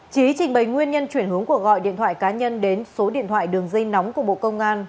trí trình bày nguyên nhân chuyển hướng cuộc gọi điện thoại cá nhân đến số điện thoại đường dây nóng của bộ công an